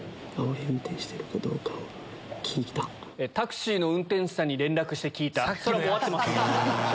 タクシーの運転手さんに連絡して聞いた。